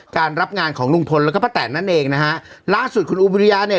การรับงานของลุงพลแล้วก็ป้าแตนนั่นเองนะฮะล่าสุดคุณอูบิริยาเนี่ย